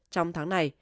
trong tháng này